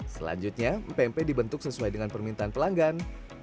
selanjutnya mpe mpe dibentuk sesuai dengan permintaan pelanggan